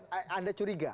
itu yang anda curiga